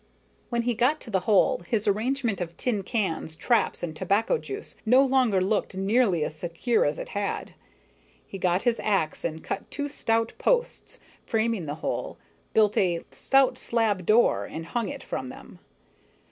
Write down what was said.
When he got to the hole, his arrangement of tin cans, traps, and tobacco juice no longer looked nearly as secure as it had. He got his ax and cut two stout posts, framing the hole; built a stout slab door and hung it from them.